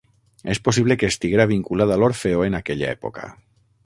És possible que estiguera vinculat a l'Orfeó en aquella època.